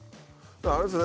あれですね